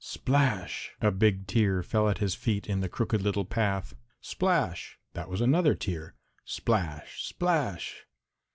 Splash! A big tear fell at his feet in the Crooked Little Path. Splash! That was another tear. Splash! splash!